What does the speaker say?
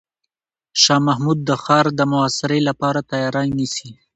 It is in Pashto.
شاه محمود د ښار د محاصرې لپاره تیاری نیسي.